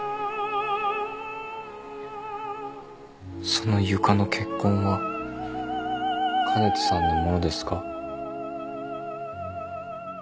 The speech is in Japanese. その床の血痕は香音人さんのものですか？